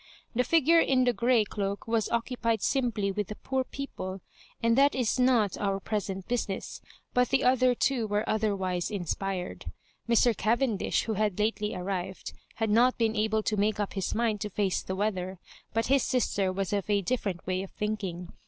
The figure in the grey doak was occupied sunply with the poor people, and that is not our present business; but the other two were otherwise inspired. Mr. Caven dish, who had lately arrived, had not been able to make up his mind to face the weather ; but his sister was of a different way of thinking.